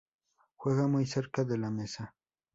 Juega muy cerca de la mesa.